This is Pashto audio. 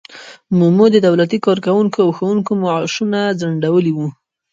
مومو د دولتي کارکوونکو او ښوونکو معاشونه ځنډولي وو.